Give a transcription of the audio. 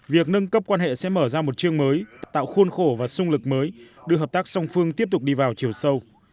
việc nâng cấp quan hệ sẽ mở ra một chương mới tạo khuôn khổ và sung lực mới đưa hợp tác song phương tiếp tục đi vào chiều sâu